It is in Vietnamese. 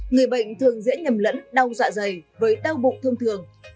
người bệnh thường dễ nhầm lẫn đau dạ dày với đau bụng thông thường